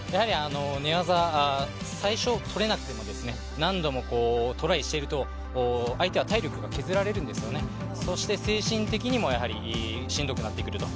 寝技、最初とれなくても何度もトライしていると相手は体力が削られるんですよね、そして精神的にきつくなってくると。